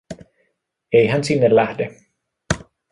Ei hän sinne lähde.